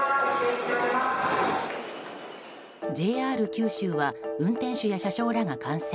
ＪＲ九州は運転手や車掌らが感染。